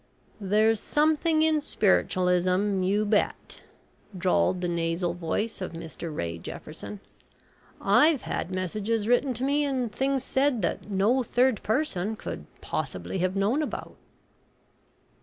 "There's something in spiritualism, you bet," drawled the nasal voice of Mr Ray Jefferson. "I've had messages written to me, and things said that no third person could possibly have known about."